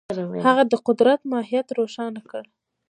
هغه د قدرت ماهیت روښانه کړ.